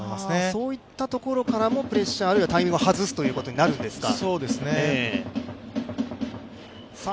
そういったことからもプレッシャー、タイミングを外すということになるんですか。